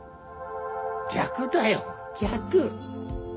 逆だよ逆。